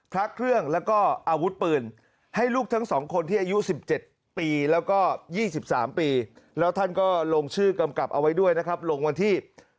พระเครื่องแล้วก็อาวุธปืนให้ลูกทั้ง๒คนที่อายุ๑๗ปีแล้วก็๒๓ปีแล้วท่านก็ลงชื่อกำกับเอาไว้ด้วยนะครับลงวันที่